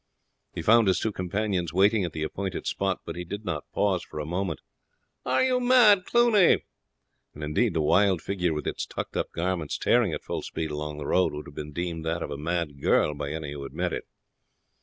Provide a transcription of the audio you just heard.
He found his two companions waiting at the appointed spot, but he did not pause a moment. "Are you mad, Cluny?" they shouted. And indeed the wild figure, with its tucked up garments, tearing at full speed along the road, would have been deemed that of a mad girl by any who had met it.